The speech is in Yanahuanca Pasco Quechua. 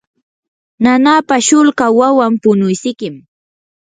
nanapa shulka wawan punuysikim.